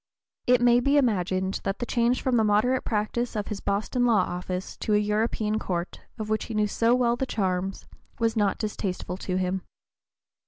It may be imagined that the change from the moderate practice of his Boston law office to a European court, of which he so well knew the charms, was not distasteful to him.